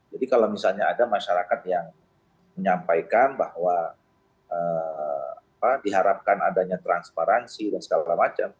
jadi kalau misalnya ada masyarakat yang menyampaikan bahwa diharapkan adanya transparansi dan segala macam